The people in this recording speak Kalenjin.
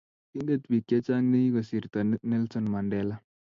kiinget biik chechang nekikosirto Nelson Mandela